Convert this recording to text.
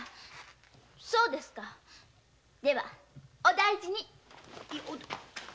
そうですかではお大事に。